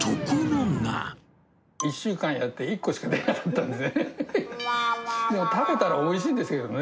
１週間やって、１個しか出なかったんですね。